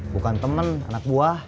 bukan temen anak buah